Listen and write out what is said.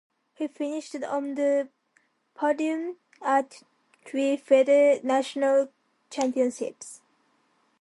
He finished on the podium at three further National Championships.